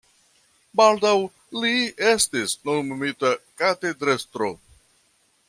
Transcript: Baldaŭ li estis nomumita katedrestro.